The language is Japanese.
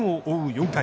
４回。